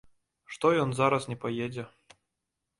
Што ён зараз не паедзе.